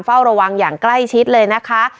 เฝ้าระวังอย่างใกล้ชิดเลยนะคะ